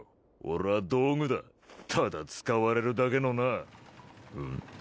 俺は道具だただ使われるだけのなうん？